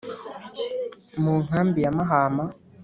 Mu nkambi ya Mahama